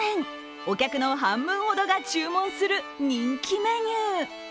お客の半分ほどが注文する人気メニュー。